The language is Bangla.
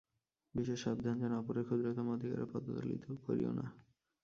বিশেষ সাবধান, যেন অপরের ক্ষুদ্রতম অধিকারও পদদলিত করিও না।